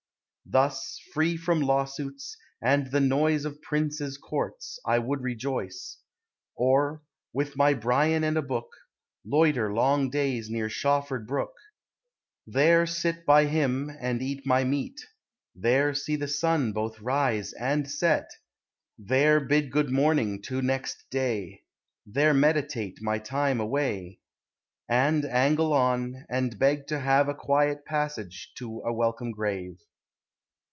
Thus, free from lawsuits, ami the noise Of princes' courts. I would rejoice; Or, with my Bryan and a book. Loiter long days* near Shawford brook; There sit by liim, and eat my meat ; There see the sun both rise and set ; There bid good morning to next day; There meditate my lime away; And angle on; and beg to have A quiet passage to a welcome grave.